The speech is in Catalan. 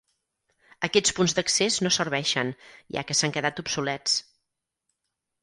Aquests punts d'accés no serveixen, ja que s'han quedat obsolets.